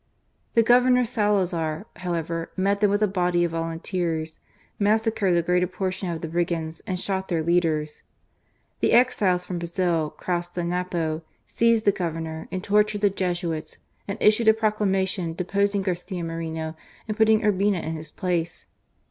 The Governor Salazar, however, met them with a body of volun teers, massacred the greater portion of the brigands and shot their leaders. The exiles from Brazil crossed the Napo, seized the Governor, tortured the Jesuits, and issued a proclamation deposing Garcia Moreno and putting Urbina in his place.